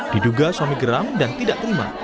diduga suami geram dan tidak terima